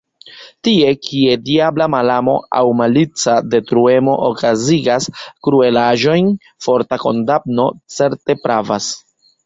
Tie, kie diabla malamo aŭ malica detruemo okazigas kruelaĵojn, forta kondamno certe pravas.